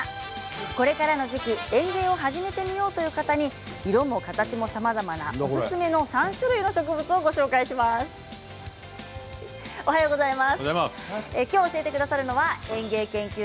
これからの時期園芸を始めてみようという方に色も形もさまざまなおすすめの３種類の植物をご紹介します。